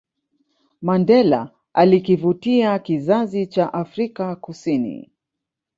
Mandela alikivutia kizazicha Afrika Kusini